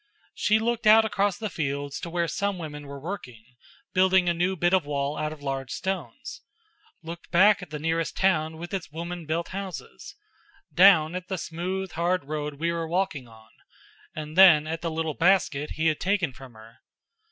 She looked out across the fields to where some women were working, building a new bit of wall out of large stones; looked back at the nearest town with its woman built houses; down at the smooth, hard road we were walking on; and then at the little basket he had taken from her.